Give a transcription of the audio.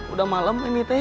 udah malem ini teh